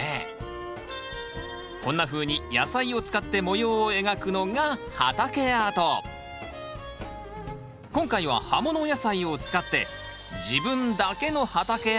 こんなふうに野菜を使って模様を描くのが今回は葉もの野菜を使って自分だけの畑アートにチャレンジです！